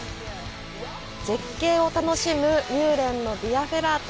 絶景を楽しむミューレンのヴィアフェラータ。